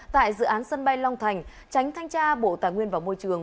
tại dự án sân bay long thành tránh thanh tra bộ tài nguyên và môi trường